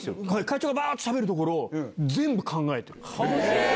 会長がしゃべるところを全部考えてる。